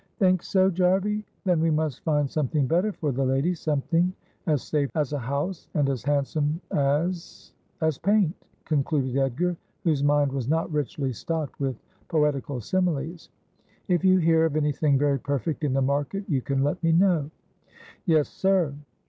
' Think so, Jarvey ? Then we must find something better for the lady — something as safe as a house, and as handsome as — as paint,' concluded Edgar, whose mind was not richly stocked with poetical similes. ' If you hear of anything very perfect in the market you can let me know.' ' Yes, sir.'